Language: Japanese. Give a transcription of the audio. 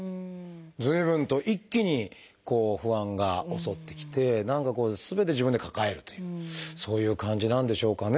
随分と一気に不安が襲ってきて何かこうすべて自分で抱えるというそういう感じなんでしょうかね。